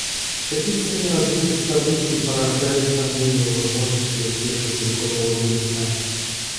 Такие сценарии развития событий порождают сомнения в возможности успешного перехода в Афганистане.